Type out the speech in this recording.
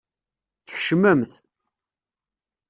Tkecmemt.